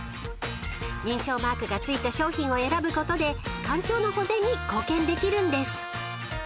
［認証マークがついた商品を選ぶことで環境の保全に貢献できるんです］